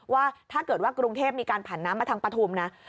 ว่าถ้าเกิดว่ากรุงเทพมีการผ่านน้ำมาทางปฐุมนะ